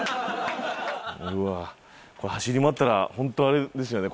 うわこれ走り回ったらホントあれですよね